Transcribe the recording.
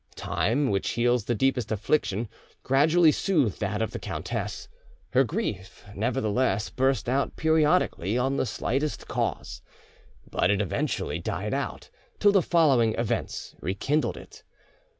Time, which heals the deepest affliction, gradually soothed that of the countess; her grief nevertheless burst out periodically on the slightest cause; but eventually it died out, till the following events rekindled it.